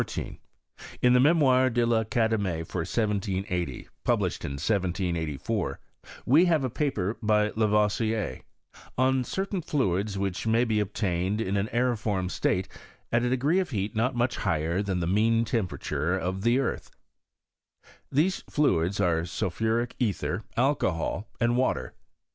In the Mem. de i'Academie, for 1780 (pub lished in 1784), we have a paper, by Lavoisier, " Oa certain Fluids which may be obtained in an aerifbrtft State, at a degree of Heat not much higher than the' mean Temperature of the Earth." These fluids arft sulphuric ether, alcohol, and water.